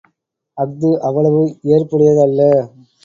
அஃது அவ்வளவு ஏற்புடையது அல்ல!